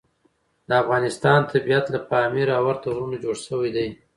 د افغانستان طبیعت له پامیر او ورته غرونو جوړ شوی دی.